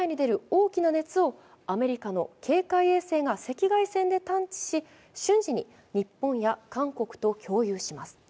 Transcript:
大きな熱をアメリカの警戒衛星が赤外線で探知し、瞬時に日本や韓国と共有します。